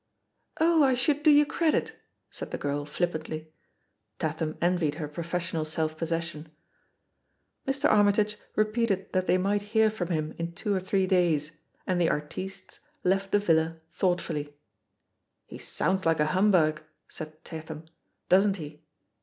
"Oh, I should do you credit!" said the girl flippantly. Tatham envied her professional self possession. Mr. Armytage repeated that they might hear from him in two or three days, and the "artistes" kf t the villa thoughtfully. "He sounds like a humbug," said Tatham, "doesn't he?"